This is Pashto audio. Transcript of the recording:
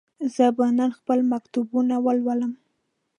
زه به نن خپل مکتوبونه ولولم.